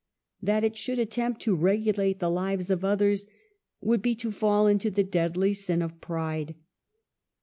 That it should attempt to regulate the lives of others would be to fall into the deadly sin of pride.